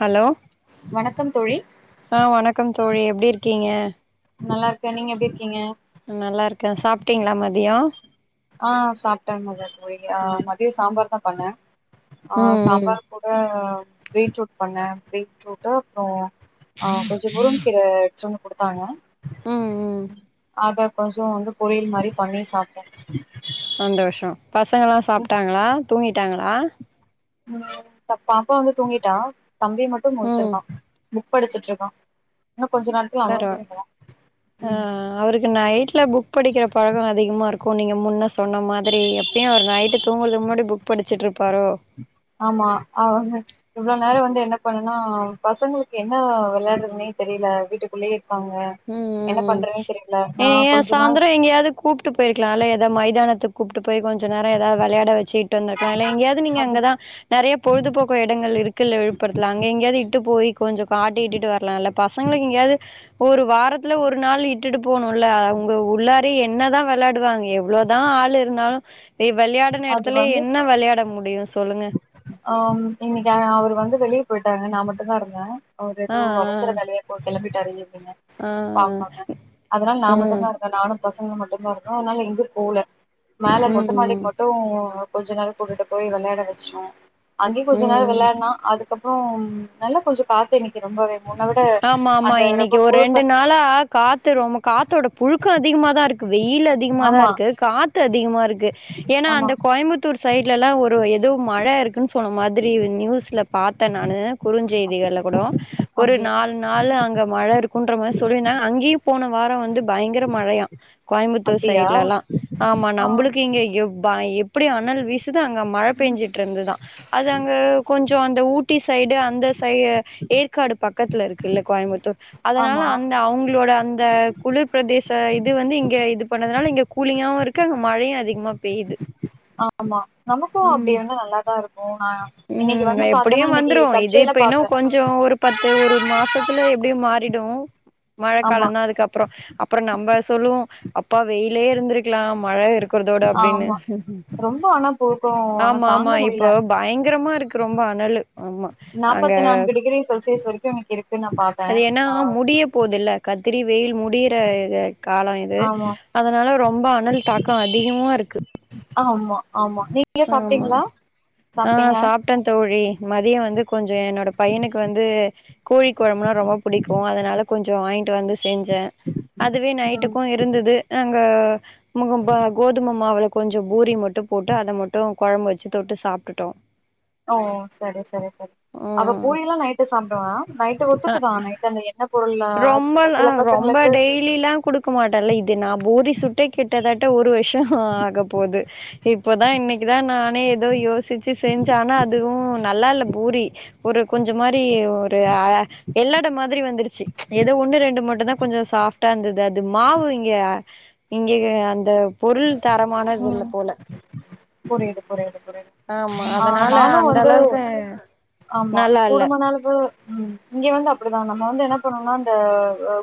hello வணக்கம் தோழி ஆ வணக்கம் தோழி எப்டி இருக்கீங்க நல்லா இருக்க நீங்க எப்டி இருக்கீங்க நல்லா இருக்க சாப்ட்டீங்ளா மதியோ ஆ சாப்ட்ட மத்யான்த்க் போய்ங்ளா ம் மதியோ சாம்பார்தா பண்ண ஆ ம் ம் சாம்பார் கூட பீட்ரூட் பண்ண பீட்ரூட்டு அப்றோ ஆ கொஞ்சோ முருங்கீர எட்த்வந்து குடுத்தாங்க ம் ம் அத கொஞ்சோ வந்து பொரியல் மாரி பண்ணி சாப்ட்டோ சந்தோஷோ பசங்களா சாப்ட்டாங்களா தூங்கிட்டாங்களா ம் ப்ப பாப்பா வந்து தூங்கிட்டா தம்பி மட்டு ம் முழ்ச்சிருக்கான் புக் படிச்சுட்ருக்கான் இன்னு கொஞ்சு நாள் பராவாலே ஆ அவருக்கு நைட்ல புக் படிக்கிற பழகோ அதிகமா இருக்கு நீங்க முன்ன சொன்ன மாதிரி அப் பியு அவுரு நைட்டு தூங்கறதுக் முன்னாடி புக் படிச்சுட்ருப்பாரோ ஆமா அவுங்க இவுளோ நேரோ வந்து என்ன பண்ணுனா பசங்கிளுக்கு என்ன விளையாட்றதுனே தெரில வீட்டுக்குள்ளயே இர்க்காங்க ம் ம் ம் ஏ ஏன் கொஞ்ச நாள் சாந்தரோ எங்க்யாது கூப்ட்டு போய்ர்க்லால எதா மைதானத்து கூப்ட்டு போய் கொஞ்ச நேரோ ஏதாது வெளயாட வச்சிட்டு வந்திர்க்கலால எங்க்யாது நீங்க அது அங்கதா நெறைய பொழுதுபோக்கு எடங்கள் இருக்குல்ல விழுப்புரத்துல அங்க எங்யாது இட்டு போய் கொஞ்சோ காட்டி இட்டிட்டு வ க்லால பசங்கிளுக்கு எங்யாது ஒரு வாரத்துல ஒரு நாள் இட்டுட்டு போணுல அவ்ங்க உள்ளாரே என்னதா வெளாடுவாங்க எவ்ளோ தா ஆள் இருந்தாலு எ வெளையாடுன அது எடத்துலே வந்து என்ன வெளையாட முடியு சொல்லுங்க ஆம் இன்னைக்கு அ அவரு வந்து வெளிய போய்ட்டாங்க நா மட்டுந்தா இருந்த அவர் ஆ எதோ அவசர வேலையா போ கெளம்பிட்டாரு இன்னிக்குங்க ஆ ஆ ஆமாங்க அதுனால நா ஆ மட்டுந்தா இருக்க நானு பசங்க மட்டுந்தா இருந்தோ அதுனால எங்க்யு போல மேல ம் மொட்டமாடிக் மட்டு கொஞ்சோ நேரோ கூட்டிட்டு போய் வெளையாட வச்சோ அங்க்யு ம் கொஞ்ச ம் நேரோ ம் வெளையாட்னா அது கப்றோ நல்லா கொஞ்சோ காத்து இன்னைக்கு ரொம்பவே முன்ன விட ஆமா ஆமா அந்த இன்னைக்கு ரொம்ப ஒ ரெண்டு புழுக்க நாளா காத்து ரொம காத்தோட புழுக்கோ அதிகமாதா இரு க்கு வெயில் அதிகமாதா ஆமா இருக்கு காத்து அதிகமா இருக்கு ஏனா ஆமா அந்த கோயம்புத்தூர் சைட்லலா ஒர் அப்பறோ எதோ மழ இருக்குன் சொன்ன மாத்ரி நியூஸில பாத்தே நானு குறுஞ்செய்திகள்ல கூடோ அப்டி மூண் நாளு அங்க மழ இருக்குன்ற மாரி சொல்லிருந்தாங்க அங்கயு போன வாரோ வந்து பயங்கர மழையா கோயம்புத்தூர் அப்டியா சைட்லல்லா ஆமா ஆ நம்பளுக்கு இங்க எவ் ப எப்டி அணல் வீசுது அங்க மழ பேஞ்சி ட்ருந்துதா அது அங்க கொஞ்சோ அந்த ஊட்டி சைடு அந்த சை ஏற்காடு பக் கத்துல இருக்குல்ல கோயம்புத்தூர் அதனால ஆமா அந்த அவுங்களோட அந்த குளிர் பிரதேச இது வந்து இங்க இது பண்ணதுனால இங்க கூலிங்காவு இருக்கு அங்க மழையு அதிகமா பெய்து ஆமா நமக்கு அப்டி இருந்தா நல்லாதா இருக்குல்ல இன்னைக்கி ம் வந்து எப்படியு பாத்தன்னா இன்னைக்கி தற்ச்செய்லா பாத்தே த்து ஒரு மாசத்துல எப்டியு மாறிடும் ஆமா மழக்காலந்தா அதுக்கப்பறோ அப்பறோ நம்ம சொல்லுவோ அப்பா வெயிலே இருந்திருக்கலா மழ இருக்கு கிறதோட அப்டினு ஆமா ரொம்ப ஆனா போக்கு ஆனா ஆமா ஆமா தாங்க முடியல இப்ப பயங்கரமா இருக்கு ரொம்போ அனலு ஆமா நாங்க நாப்பத்தி நான்கு டிகிரி செல்சியஸ் வரைக்கு இன்னைக்கு இருக்கு நா பாத் அது ஏனா முடிய போதுல்ல கத்திரி வெயில் முடியற இது காலோ இது ஆமா அதனால ரொம்போ அனல் தாக்கோ அதிகமாருக்கு ஆமா ஆமா நீங்க சாப்ட்டீங்ளா சாப்ட்டேங்க ட்டன் தோழி மதியோ வந்து கொஞ்சோ என்னோட பைய்னுக்கு வந்து கோழி கொழம்புனா ரொம்ப புடிக்கு அதனால கொஞ்சோ வாங்கிட்டு வந்து செஞ்சே அதுவே ம் நைட்டுக்கு இருந்தது அங்க மா ப கோதும மாவுல கொஞ்சோ பூரி மட்டு போட்டு அத மட் டு கொழம்பு வச்சு தொட்டு சாப்டுட்டோ ஓ சரி சரி சரி அவ ம் பூரிலா நைட்டு சாப்டுவா நைட் ஆ ஒத்துக்குதா நைட்டு அந்த எண்ண பொருள்லா இருக்குல்ல ரொம்பலா சில அ ரொம்ப பசங்களுக்கு டெய் லிலா குடுக்க மாட்டல்ல இது நா பூரி சுட்டே கிட்ட தட்ட ஒரு வருஷோ ஆக போது இப்பதா இன்னைக்குதா நானே எதோ யோசிச்சு செஞ்சே ஆனா அதுவு நல்லால்ல பூரி ஒரு கொஞ்ச மாரி ஒரு அ எல்லாட மாரி வந்துருச்சி எதோ ஒன்னு ரெண்டு மட்டுத்தா கொஞ்ச சாஃப்டா இருந்தது அது மாவு இங்க இங்க அந்த பொருள் தரமானதில்ல போல புரியிது புரியிது புரியிது ஆமா ஆ அதனால நானு அந்த வந்து அளவுக்கு ஆமா நல்லா இல்ல கூடுமான அளவு ம் இங்க வந்து அப்டிதா நம்ம வந்து என்ன பண்ணுவோனா இந்த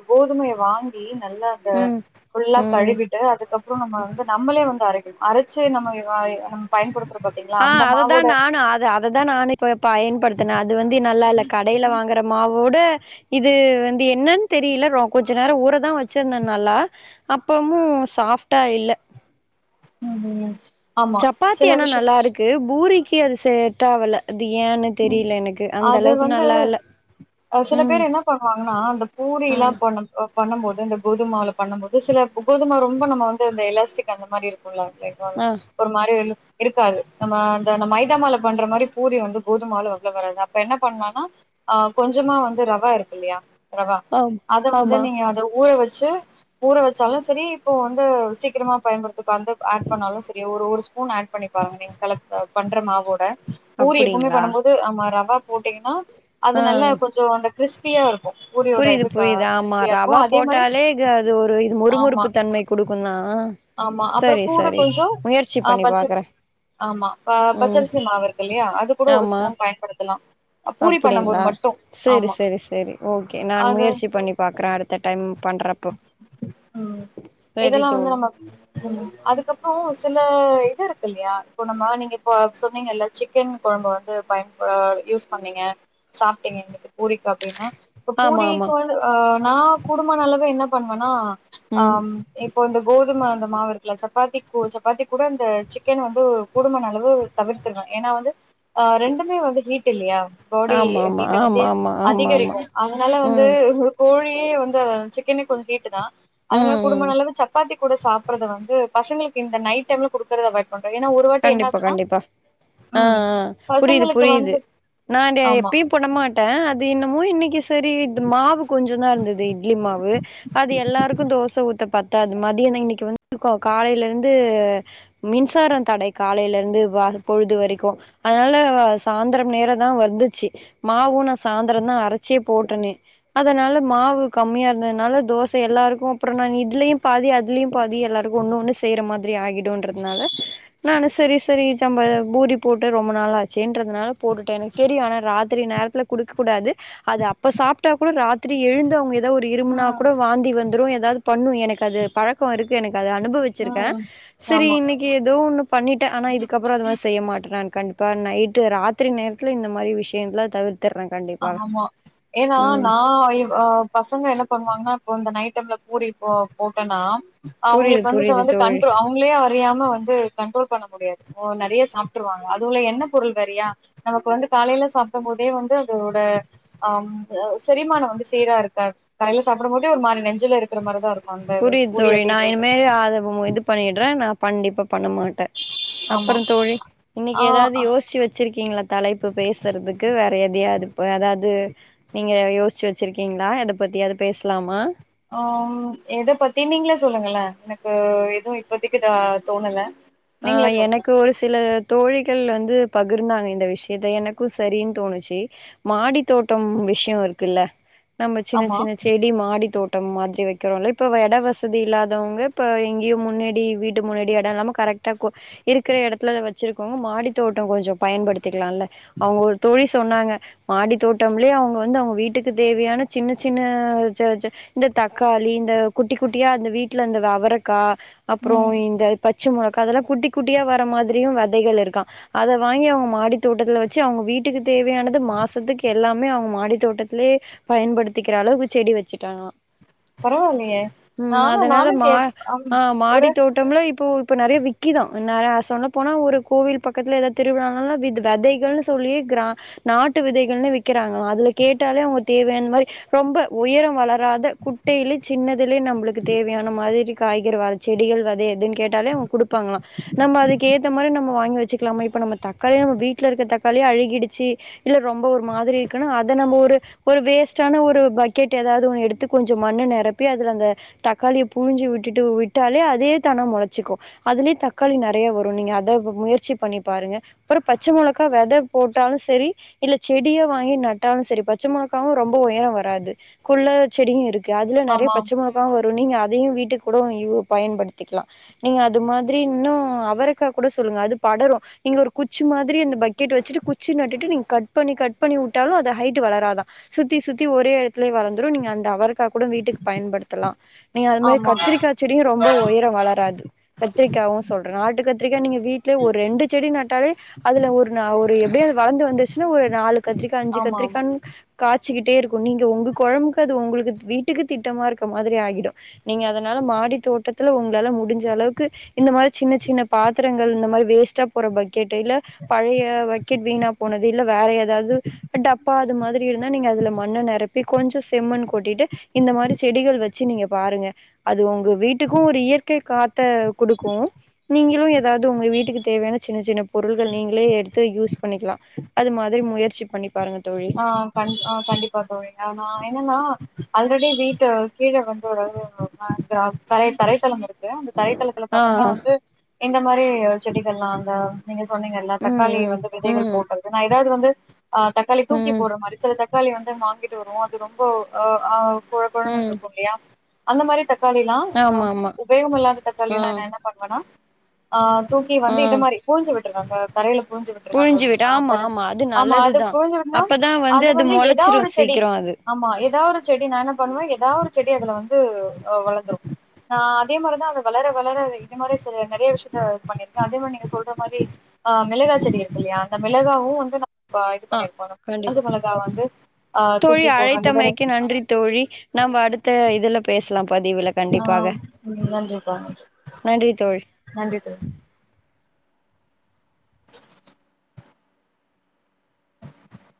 கோதுமைய வாங் டெய்லி நல்லா அத ம் ஃபுல்லா ம் கழுவிட்டு அதுக்கப்பறோ நம்ம வந்து நம்மளே வந்து அரைக்கணு அரச்சி நம்ம ஆ ய அம் பயன்படுத்துற பாத்தீங்ளா அந்த மாவோட நா அது அத தா நானே இப் பயன்படுத்தின அது வந்து நல்லால்ல கடைல வாங்குற மாவோட இது வந்து என்னன் தெரில ரொ கொஞ்ச நேரோ ஊரதா வெச்சிருந்தே நல்லா அப்பமு சாஃப்ட்டா இல்ல [unintelligible] சப்பாத்தி சில ஆனா விஷய நல்லா இருக்கு பூரிக்கு அது சேட்டாவ்ல அது ஏனு தெரில எனக்கு அந்த அது அளவுக்கு வந்து நல்லால்ல சில பேர் என்ன பண்ணுவாங்கன்னா அந்த பூரில்லா ம் பண்ண பண்ணு போது இந்த கோதும் மாவுல பண்ணு போது சில கோதும மாவு ரொம்ப நம்ம வந்து இந்த எலாஸ்டிக் அந்த மாரி இருக்கு ல்ல ஆ [unintelligible] ஒரு மாரி இருக்காது நம்ம அந்த நம்ம மைதா மாவுல பண்ற மாரி பூரி வந்து கோதும்மாவ்ல அவ்வளவவ் வராது அப்ப என்ன பண்ணலானா ஆ கொஞ்சமா வந்து ரவா இருக்கு இல்லையா ரவா ஆம் அத வந்து ஆமா நீங்க அத ஊற வெச்சி ஊற வச்சாலு சரி இப்போ வந்து சீக்கரமா பயன்படுத்தக் அந்து ஆட் பண்ணாலு சரி ஒரு ஒருஸ் பூன் ஆட் பண்ணி பாருங்க நீங் கலக் ஆ பண்ற மாவோட அப்படிங்ளா உ ஆமா ரவா போட்டீங்கன்னா அது நல்லே கொஞ்சோ அந்த க்ரிஸ்பியா இருக்கு பூரியோட புரியுது இது க புரியுது ஆமா கிறிஸ்பியா இருக்கு ரவா அதே மாரி போட்டாலே க து ஒரு இது மொறு ஆமா மொறுப்பு தன்மை குடுக்குன்னா ஆமா அப்ற கூட கொஞ்சோ ஆ பண்ணி பச்ச பாக்குறே ஆமா பா ம் பச்சரிசி மாவு இருக்கில்யா அது கூட ஒரு ஸ்பூன் பயன்படுத்தலா பூரி பண்ணும் போது அப்படிங்ளா மட்டு சேரி ஆமா சேரி சேரி ஓகே நான் அது முயற்சி பண்ணி பாக்ற அடுத்த டைம் பண்றப்போ ம் சேரி இதெல்லாமவந்து தோழி நம்ப ம் அதுக்கப்றோ சில இது இருக்கு இல்யா இப்போ நம்ம நீங்க பா சொன்னீங்கல்ல சிக்கன் குழம்ப வந்து பயன்ப யூஸ் பண்ணீங்க சாப்ட்டீங்க எனக்கு பூரிக்கு அப்டின்னா இப்ப ஆமா ஆமா பூரீக்கு வந்து ஆ நா கூடுமான அளவு என்ன பண்வன்னா ம் ஆம் இப் கொண்டு கோல் தும அந்த மாவு இருக்ல சப்பாத்திக் கோல் சப்பாத்தி கூட அந்த சிக்கன் வந்து கூடுமான அளவு தவிர்த்திருங்க ஏன்னா வந்து ஆ ரெண்டுமே வந்து ஹீட் இல்யா போடி ஆமா ஆமா வீட்ட வந்தே ஆமா ஆமா ஆமா ஆமா அதிகரிக்கு அதனால வந்து ம் ஹு கோழியே வந்து அதன் சிக்கனே கொஞ்ச் ஹீட்டு தா அதன்வே ம் குடும்ம ம் நல்லது சப்பாத்தி கூட சாப்றது வந்து பசங்களுக்கு இந்த நைட் டைம்ல குடுக்கறத அவாய்ட் பண்றோ ஏனா ஒரு வாட்டி என்னாச்சுனா ஆஆ புரியுது புரியுது நான்ட ஆமா எப்பெம் பொனமாட்டே அது இன்னுமோ இன்னிக்கிஸ் தெரி இத்து மாவு கொஞ்சோதா இருந்ததே இட்லி மாவு அது எல்லாருக்கு தோச ஊத்த பத் ட்டாது மதியானய் இன்னிக்கு வந்து கோ காலைய்ல இருந்து மின்சாரன் தடை காலைல இருந்து வாரு பொழுது வரைக்கு அதனால வ சாந்தரம் நேர தா வந்துச்சி மாவு நா சாந்தரன்தா அரச்சே போட்டனே அதனால மாவு கம்மியா இருந்தனால தோசை எல்லாருக் ஓ அப்ற நான் இத்லையு பாதி அத்லையு பாதி எல்லாருக்கு ஒண்ணு ஒண்ணு செய்ற மாதிரி ஆயிடுன்றதுனால நானு சரி சரி ஜம்ப எவ் பூரி போட்டு ரொம்ப நாள் ஆச்சேன்றதுனால போட்டுட்டே எனக் தெரியும் ஆனா ராத்திரி நேரத்துல குடுக் கூடாது அது அப்ப சாப்ட்டா கூட ராத்திரி எழுந்து அவங்க ஏதாவ் ஒரு இரும்புனா ம் கூட வாந்தி வந்துரு ஏதாவ்து பண்ணு எனக்கு அது பழக்கோ இருக்கு எனக்கு அது அனுபவிச்சிருக்கே ம் சரி ஆமா இன்னைக்கு ஏதோ ஒன்னுப் பண்ணிட்டேஆனா இதுக்கப்பறோ அது மார் செய்ய மாட்ட நான் கண்டிப்பான் நைட்டு ராத்திரி நேரத்துல இந்த மாரி விஷயங்துல தவிர்த்துர்றே ஆமா ஏனா நா இவ் ஆப் பசங்க என்ன பண்ணுவாங்க இப்போ அந்த நைட் டைம்ல பூரி போ போட்டன்னா புரியுது அவுங்களுக் வந்துக்க புரியுது வந்து தோழி கண்ட்ரோ அவ் வ்ங்களே அறியாம வந்து கண்ட்ரோல் பண்ண முடியாது ஓ நறையா சாப்ட்டுருவாங்க அதுவுலெ எண்ண பொருள் வேறையா நமக் வந்து காலைல சாப்டும் போதே வந்து தூட அம் [inaudible] செரிமானோ வந்து சீரா இருக்க காலைல சாப்பிடும்போது ஒரு மாரி நெஞ்சுல இரு க்றமாரிதா இருக்கு அந்த இது புரியுத் பூரி தோழி நா அப்டின்றது இனிமேலு ஆதக்மு இது பண்ணிட்றே நா பண்டிப்பா பண்ண மாட்ட ஆமா அப்பற தோழி இன்னிக்கி ஆ அ ஏதாவ்து யோஷிவத் ச்சிருக்கீங்ளா தலைப்பு பேசறதுக்கு வேற எதுயாது ப அதாது நீங்க யோச் ச்சு வச்ருக்கீங்ளா எதபத்தியாது பேஸ்லாமா ஆம் எத பத்தி நீங்களே சொல்லுங்களே எனக்கு எதுவு இப்பத்திக்கு த தோணல ஆ நீங்களே சொல்லுங்க எனக்கு ஒரு சிலது தோழிகள் வந்து பகுர்ந்தாங்க இந்த விஷயத்த எனக்கு சரின் தோணுச்சு மாடித் தோட்டம் விஷயோ இருக்குல்ல நம்ப ஆமா சின்னசின்ன செ டி மாடி தோட்டம் மாதிரி வக்குறோல்ல இப்ப வ எட வசதி இல்லாதவங்க இப்ப எங்கியு முன்னாடி வீட் ட்டு முன்னாடி எடோ இல்லாம கரெக்ட் டக் கோ இருக்குற எடத்துல அத வச்சுருக்கோ மாடி தோட்டோ கொஞ்ச பயன்படுத்திக்கலால்ல அவுங்க ஒரு தோழி சொன்னாங்க மாடி தோட்டம்லே அவுங்க வந்து அவுங்க வீட்டுக்கு தேவையான சின்ன சின்ன ஜ ஜ இந்த தக்காளி இந்த குட்டி குட்டியா அந்த வீட்டுல இந்த வ அவரக்கா அப்றோ ம் இந்த பச்ச மொளக் கா அதல்லா குட்டி குட்டியா வர மாதிரியு வெதைகள் இருக்கா அத வாங்கி அவுங்க மாடி தோட்டத்துல வச்சு அவுங்க வீட் டுக்கு தேவையானது மாசத்துக் எல்லாம் மே அவுங்க மாடி தோட்டத்லே பயன்படுத்திக்கிற அளவுக்கு செடி வச்சுட்டங்ளா பரவாயில்லயே ம் நானு அதுனால நானு மா கேப் ஆம் ஆ மாடி ஒரு தோட்டம்லா இப்போ இப்ப நெறையா விக்கிதா நா ஆ சொன்ன போனா ஒரு கோவில் பக்கத்துல எதாது திருவிழானாலா வித் வெதைகள்னு சொல்லியே கிரா நாட்டு விதைகள்னே விக்குறாங்களா அதுல கேட்டாலே உங்க தேவையான மாரி ரொம்ப உயரம் வளர ராத குட்டையிலே சின்னதுலயே நம்பளுக்கு தேவையான மாதிரி காய்கறி வர செடிகள் வெத இதுன்னு கேட்டாலே அவுங்க குடுப்பாங்களா நம்ம அதுக்கு ஏத்த மாரி நம்மோ வாங்கி வச்சுக்கலாமா இப்ப நம்ம தக்காளியே நம்ம வீட்ல இருக்க தக்காளியே அழுகிடுச்சு இல்ல ரொம்ப ஒரு மாதிரி இருக்குன்னா அத நம்ப ஒரு ஒரு வேஸ்ட்டான ஒரு பக்கெட் ஏதாவது ஒன்னு எடுத்து கொஞ்ச மண்ணு நெரப்பி அதுல அந்த தக்காளிய புழுஞ்சு விட்டுட்டு விட்டாலே அதே தான மொளசுக்கு அதுலே தக்காளி நெறையா வரு நீங்க அத முயற்சி பண்ணி பாருங்க அப்றோ பச்ச மொளக்கா வெத போட்டாலு செரி இல்ல செடிய வாங்கி நட்டாலு செரி பத் பச்ச மொளக்காவு ரொம்ப உயரோ வராது குள்ள செடியு இருக்கு அதுல நெறையா ஆமா பச்ச மொள வா வரு நீங்க அதயு வீட்டுக் கூடோ யூ பயன்படுத்திக்லா நீங்க அது மாதிரி இன்னு அவரக்கா கூட சொல்லுங்க அது படரு இங்க ஒரு குச்சு மாதிரி இந்த பக்கெட் வச்சுட்டு குச்சி நட்டுட்டு நீங்க கட் பண்ணி கட் பண்ணி வுட்டாலு அது ஹைட்டு வளராதா சுத்தி சுத்தி ஒரே எடத்துலயே வளந் துரு நீங்க அந்த அவரக்கா கூட வீட்டுக் பயன்படுத்தலா நீங்க அது மாரி ஆமா கத்திரிக்கா செடியு ரொம்ப உயரோ வளராது கத்திரிக்காவு சொல்றே நாட்டு கத் த்தரிகா நீங்க வீட்லே ஒரு ரெண்டு செடி நட்டாலே அதுல ஒர் நா ஒரு எப்டியு அது வளந்து வந்துச்சுனா ஒரு நாலு கத்ரிக்கா அஞ்சு ஆமா ஆமா கத்தரிகான்னு காச்சுகிட்டே இருக்கு நீங்க உங்க கொழம்புக்கு அது உங்களுக்கு வீட்டுக்கு திட்டமாருக்க மாதிரி ஆகிடு நீங்க அதுனால மாடி தோட்டத்துல உங்களாலா முடிஞ்ச அளவுக் க்கு இந்த மார் சின்ன சின்ன பாத்துரங்கள் இந்த மாரி வேஸ்ட்டா போற பக்கெட்டு இல்ல பழைய பக்கெட் வீணா போனது இல்ல வேற ஏதாது டப்பா அது மாதிரி இருந்தா நீங்க அதுல மண்ண நெரப்பி கொஞ்ச செம்மண் கொட்டிட்டு இந்த மாரி செடிகள் வச்சு நீங்க பாருங்க அது உங்க வீட்டுக்கு ஒரு இயற்கை காத் த்த குடுக்கு நீங்கெளு ஏதாது உங்க வீட்டுக்கு தேவையான சின்ன சின்ன பொருள்கள் நீங்களே எடுத்து யூஸ் பண்ணிக்லா அது மாதிரி முயற்சி பண்ணி பாருங்க ஆம் பன் ஆ கண்டிப்பா தோழி ஆ நா என்னன்னா அல்ரெடி வீட்டு கீழ வந்து ஒரு ஆ கிராம் தரை தரைதலம் இருக் க்கு அந்த தரைதளத்துல ஆ பாத்தம்னா வந்து இந்த மாரி செடிகள்ல்லா அங்க நீங்க சொன்னீங்கல்ல ம் தக்காளி வந்து ம் விதைகள் ம் போட்டதுக்கு நா எதாது வந்து அ தக்காளி தூக்கி ம் போட்ற மாரி சில தக் தக்காளி வந்து வாங்கிட்டு வருவோ அது ரொம்ப ஆ ஆ கொழ கொழன்னு ம் இருக்கு இல்லயா அந்த மாரி தக்காளிலா அ ஆமா ஆமா உபயோகம் இல்லாத ஆ தக்காளிலா நா என்ன பண்ணுவனா ஆ தூக்கி ஆ வந்து இது மாரி புழுஞ்சு விட்ருவே அந்த கரேல புழுஞ்சு விட்டுருவே புழிஞ்சு விட்டு ஆமா அந்த ஆமா அது ஆமா அது நல்லதுதா புழுஞ்சு ன்னா அப்பதா அது வந்து ஏதா மொளச்சிரு ஒரு செடி சீக்கிரோ அது ஆமா ஏதா ஒரு செடி நா என்னா பண்ணுவே ஏதா ஒரு செடி அதுல வந்து அ வளந்துரு நா அதே மாரிதா அது வளர வளர இது மாரி சில நெறைய விஷயத்த பண்ணிருக்கே அதே மாரி நீங்க சொல்ற மாரி ஆ மிளகா செடி இருக்குல்லயா அந்த மிளகாவு வந்து நம்ப இது ஆ பண்ணிருக்கோ காஞ்ச கண்டிப்பா மொளகா வந்து ஆ தோழி தூக்கி போடுர அந்தமாரி அழைத்தமைக்கு நன்றி தோழி நம்ம அடுத்த இதுல பேசலாம் பதிவுல ஆ கண்டிப்பாக நன்றிப்பா நன்றி நன்றி தோழி நன்றி தோழி